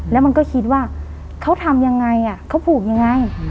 แล้วมันก็คิดว่าเขาทำยังไงเขาผูกยังไง